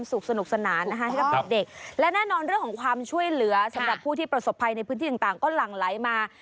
สำดับผู้ที่ประสบภัยในพื้นที่ต่างก็หลั่งไหลมา